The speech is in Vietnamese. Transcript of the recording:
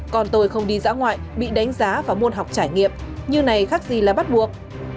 còn tôi không đi dã ngoại bị đánh giá vào môn học trải nghiệm như này khác gì là bắt buộc